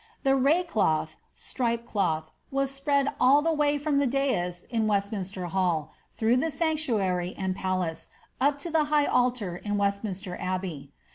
The ray cloth (striped cloth) was spread all the way in Westminster Hall, through the sanctuary and palace, up tar in Westminster Abbey.